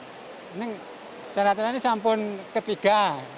ini secara terakhir saya pun ketiga